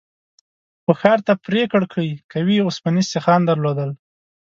خو ښار ته پرې کړکۍ قوي اوسپنيز سيخان درلودل.